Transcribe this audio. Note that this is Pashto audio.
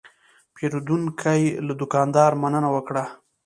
پیرودونکی له دوکاندار مننه وکړه.